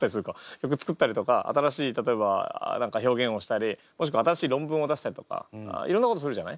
曲作ったりとか新しい例えば何か表現をしたりもしくは新しい論文を出したりとかいろんなことするじゃない。